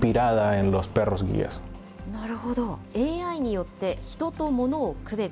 ＡＩによって、人とものを区別。